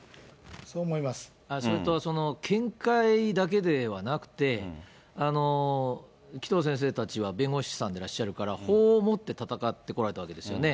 それと見解だけではなくて、紀藤先生たちは弁護士さんでらっしゃるから、法をもって戦ってこられたわけですよね。